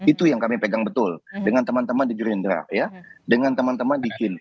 itu yang kami pegang betul dengan teman teman di gerindra ya dengan teman teman di kin